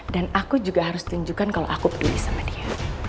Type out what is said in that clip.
dan aku juga harus tunjukkan kalau aku peduli sama dia